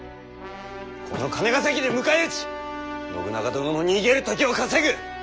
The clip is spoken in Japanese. この金ヶ崎で迎え撃ち信長殿の逃げる時を稼ぐ！